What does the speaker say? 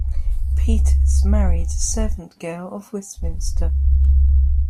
Peters married a servant girl of Westminster.